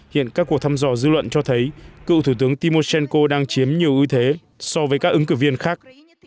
hiện các cuộc thăm dò dư luận cho thấy cựu thủ tướng timor đang chiếm nhiều ưu thế so với các ứng cử viên khác